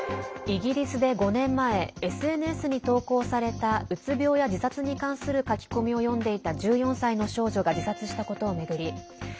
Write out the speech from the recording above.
イギリスで５年前ＳＮＳに投稿されたうつ病や自殺に関する書き込みを読んでいた１４歳の少女が自殺したことを巡り